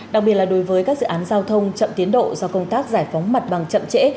đặc biệt là đối với các dự án giao thông chậm tiến độ do công tác giải phóng mặt bằng chậm trễ